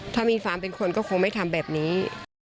ถ้ามีฟาร์มเป็นคนก็คงไม่ทำแบบนี้